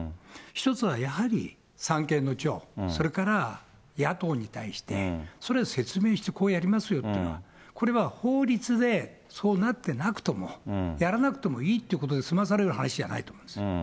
一つはやはり、三権の長、それから野党に対して、それは説明してこうやりますよっていうのは、これは法律でそうなってなくとも、やらなくともいいという話で済まされる話じゃないと思います。